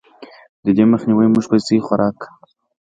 د دې مخ نيوے مونږ پۀ سهي خوراک ،